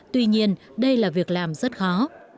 tuy nhiên đây là việc làm rất khó